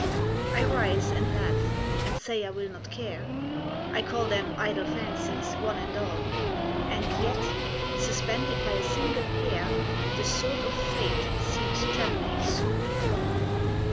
I rise, and laugh, and say I will not care; I call them idle fancies, one and all. And yet, suspended by a single hair, The sword of Fate seems trembling soon to fall.